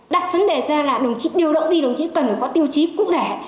đặt vấn đề ra là đồng chí điều động đi đồng chí cần được có tiêu chí cụ thể